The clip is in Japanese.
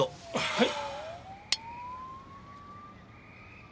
はい。